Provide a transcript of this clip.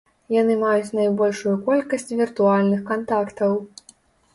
Яны маюць найбольшую колькасць віртуальных кантактаў.